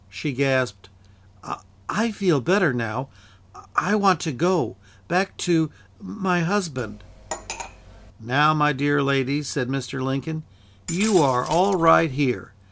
She gasped: "I feel better now. I want to go back to my husband!" "Now, my dear lady," said Mr. Lincoln. "You are all right here.